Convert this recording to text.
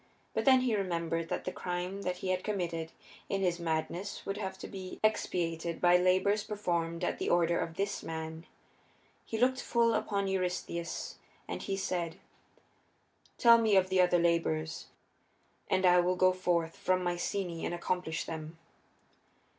But then he remembered that the crime that he had committed in his madness would have to be expiated by labors performed at the order of this man. He looked full upon Eurystheus and he said, "Tell me of the other labors, and I will go forth from Mycenæ and accomplish them."